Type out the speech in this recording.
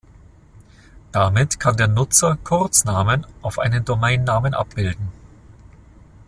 Damit kann der Nutzer Kurznamen auf einen Domainnamen abbilden.